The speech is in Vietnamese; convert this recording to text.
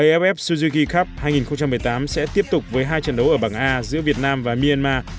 aff suzugi cup hai nghìn một mươi tám sẽ tiếp tục với hai trận đấu ở bảng a giữa việt nam và myanmar